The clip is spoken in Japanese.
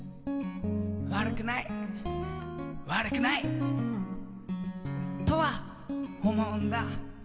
悪くない、悪くない。とは思うんだ。